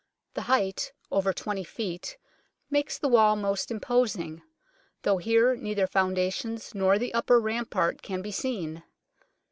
The height, over 20 feet, makes the wall most imposing, though here neither foundations nor the upper rampart can be seen.